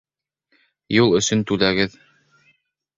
Юл өсөн түләгеҙ